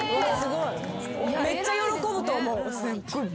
めっちゃ喜ぶと思う。